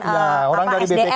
iya orang dari bpk